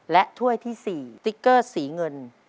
และถ้วยที่สี่สติกเกอร์สีเงิน